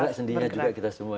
bergerak sendinya juga kita semua